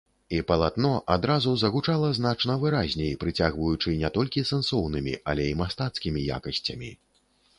І палатно адразу загучала значна выразней, прыцягваючы не толькі сэнсоўнымі, але і мастацкімі якасцямі.